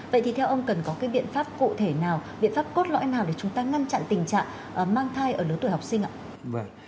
vậy thì theo ông cần có cái biện pháp cụ thể nào biện pháp cốt lõi nào để chúng ta ngăn chặn tình trạng mang thai ở lứa tuổi học sinh ạ